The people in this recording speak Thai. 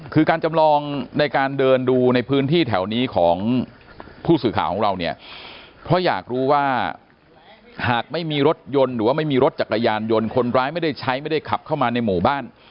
คือการจำลองในการเดินดูในพื้นที่แถวนี้ของผู้สื่อข่าวของเราเนี่ยเพราะอยากรู้ว่าหากไม่มีรถยนต์หรือว่าไม่มีรถจักรยานยนต์คนร้ายไม่ได้ใช้ไม่ได้ขับเข้ามาในหมู่บ้าน